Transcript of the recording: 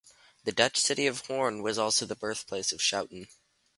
The Dutch city of Hoorn was also the birthplace of Schouten.